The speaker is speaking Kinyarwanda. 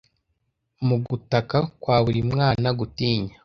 Mu gutaka kwa buri mwana gutinya